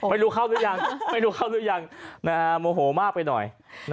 ไม่รู้เข้าหรือยังไม่รู้เข้าหรือยังโมโหมากไปหน่อย